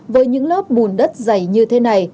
với những lớp bùn đất dày như thế này